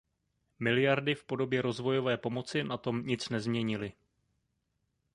Miliardy v podobě rozvojové pomoci na tom nic nezměnily.